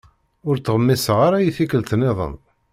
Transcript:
Ur ttɣemmiseɣ ara i tikkelt- nniḍen.